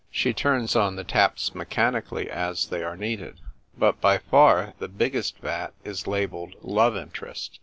She turns on the taps mechanically as they are needed. But by far the biggest vat is labelled " Love interest."